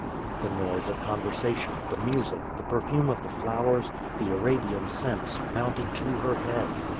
The noise of con versation, the music, the perfume of the flowers, the Arabian scents, mounted to her head.